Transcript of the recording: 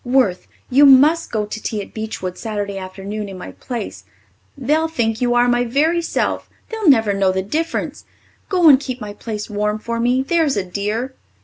Worth, you must go to tea at Beechwood Saturday afternoon in my place. They'll think you are my very self. They'll never know the difference. Go and keep my place warm for me, there's a dear."